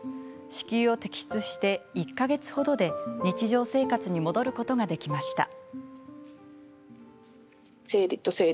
子宮を摘出して１か月ほどで日常生活に戻ることができました。